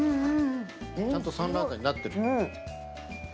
ちゃんとサンラータンになってる。